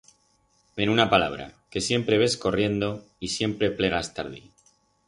En una palabra, que siempre ves corriendo y siempre plegas tardi.